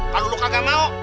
kalau lo kagak mau